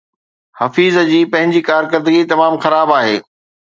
حفيظ جي پنهنجي ڪارڪردگي تمام خراب آهي